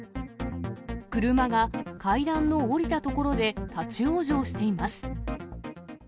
車が階段の下りたところで立往生しています。